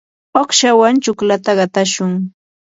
uqshawan chuklata qatashun.